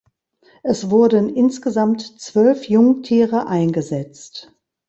Es wurden insgesamt zwölf Jungtiere eingesetzt.